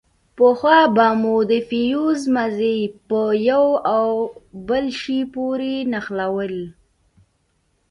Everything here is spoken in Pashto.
پخوا به مو د فيوز مزي په يوه بل شي پورې نښلول.